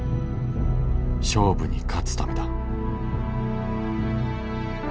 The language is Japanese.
勝負に勝つためだ。